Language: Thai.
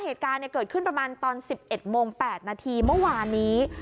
เหตุการณ์เกิดขึ้นประมาณตอน๑๑โมง๘นาทีเมื่อวานนี้